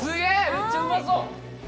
めっちゃうまそう！